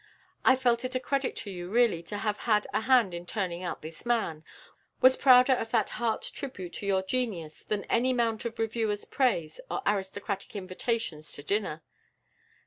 I felt it a credit to you really to have had a hand in turning out this man, was prouder of that heart tribute to your genius than any amount of reviewers' praises or aristocratic invitations to dinner."